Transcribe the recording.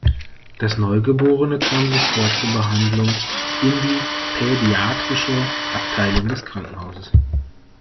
Das Neugeborene kam sofort zur Behandlung in die pädiatrische Abteilung des Krankenhauses.